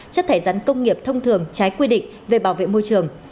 chất thải rắn công nghiệp thông thường trái quy định về bảo vệ môi trường